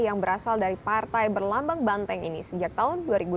yang berasal dari partai berlambang banteng ini sejak tahun dua ribu delapan